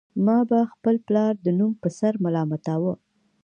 ما به خپل پلار د نوم په سر ملامتاوه